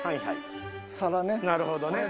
なるほどね。